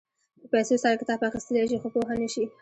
په پیسو سره کتاب اخيستلی شې خو پوهه نه شې.